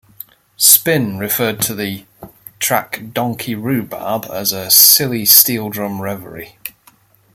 "Spin" referred to the track "Donkey Rhubarb" as a "silly steel drum reverie".